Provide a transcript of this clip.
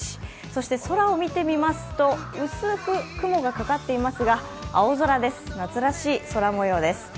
そして空を見てみますと薄く雲がかかっていますが青空です、夏らしい空模様です。